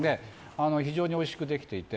非常においしくできていて。